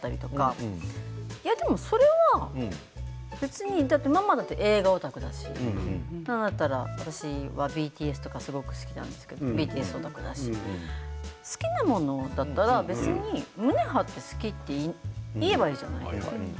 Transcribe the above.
なんか恥ずかしがり屋だったりいや、でもそれはママだって映画オタクだしなんだったら私は、ＢＴＳとかすごい好きなんですけれどＢＴＳオタクだし好きなものだったら別に胸を張って好きと言えばいいじゃないかと。